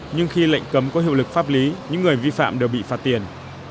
nhưng khi lệnh cấm có hiệu lực pháp lý những người vi phạm đều bị phạt tiền